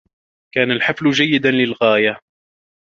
كان الحفل جيّدا للغاية.